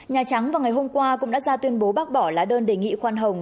nhà trắng vào ngày hôm qua cũng đã ra tuyên bố bác bỏ lá đơn đề nghị khoan hồng